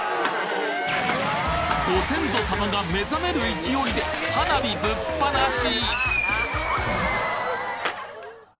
ご先祖さまが目覚める勢いで花火ぶっ放し！